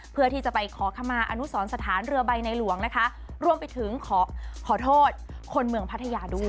เพื่อที่จะไปขอขมาอนุสรสถานเรือใบในหลวงนะคะรวมไปถึงขอขอโทษคนเมืองพัทยาด้วย